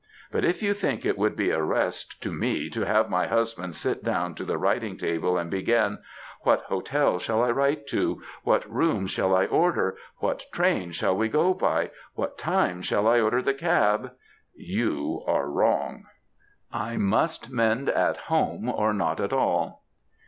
But if you think it would be a rest to me to have my husband sit down to the writing table and begin * What hotel shall I write to ? What rooms shall I order ? What train shall we go by? What time shall I order the cab?^ you are wrong! I must mend at home or not at all."